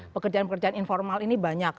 pekerjaan pekerjaan informal ini banyak